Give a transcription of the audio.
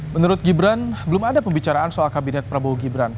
menurut gibran belum ada pembicaraan soal kabinet prabowo gibran